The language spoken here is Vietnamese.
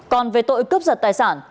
còn về tội cướp giật tài sản